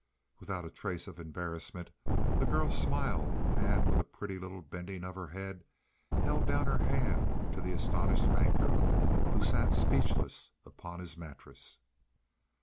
Without a trace of embarrassment the girl smiled and with a pretty little bending of her head, held down her hand to the astonished Banker, who sat speechless upon his mattress.